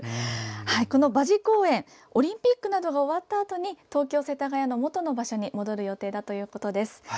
この馬事公苑オリンピックなどが終わったあとに東京・世田谷の元の場所に戻る予定だということです。